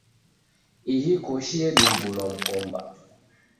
Ihi koshi yedumbulwa mkomba.